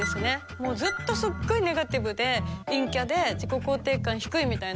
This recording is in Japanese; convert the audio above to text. もうずっとすごいネガティブで陰キャで自己肯定感低いみたいな。